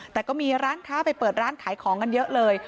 แต่ก็มีร้านค้าไปเปิดร้านขายของกันเยอะเลย